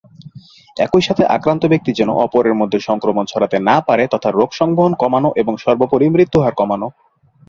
একইসাথে আক্রান্ত ব্যক্তি যেন অপরের মধ্যে সংক্রমণ ছড়াতে না পারে তথা রোগ সংবহন কমানো এবং সর্বোপরি মৃত্যুহার কমানো।